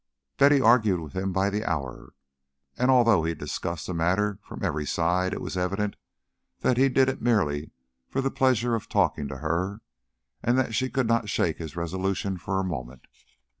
Betty argued with him by the hour, and although he discussed the matter from every side, it was evident that he did it merely for the pleasure of talking to her and that she could not shake his resolution for a moment.